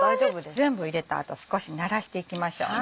これは全部入れた後少しならしていきましょうね。